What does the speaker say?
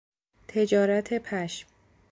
تجارت پشم